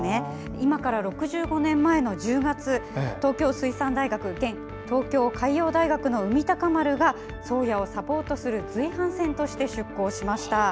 今から６５年前の１０月東京水産大学、現東京海洋大学の「海鷹丸」が「宗谷」をサポートする随伴船として出航しました。